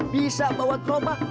bisa bawa kerobak